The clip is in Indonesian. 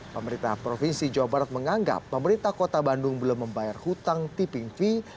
pemerintah provinsi jawa barat menganggap pemerintah kota bandung belum membayar hutang tiping fee